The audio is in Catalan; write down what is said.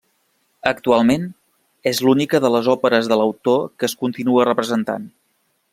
Actualment, és l'única de les òperes de l'autor que es continua representant.